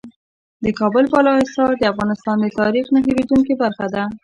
د کابل بالا حصار د افغانستان د تاریخ نه هېرېدونکې برخه ده.